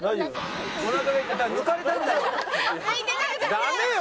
ダメよ！